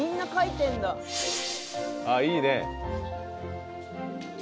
あぁいいね